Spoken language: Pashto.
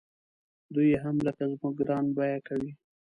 دوی یې هم لکه زموږ ګران بیه کوي.